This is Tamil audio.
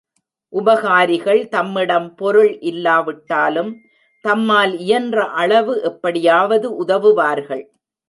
உபகாரிகள் தம்மிடம் பொருள் இல்லாவிட்டாலும் தம்மால் இயன்ற அளவு எப்படியாவது உதவுவார்கள்.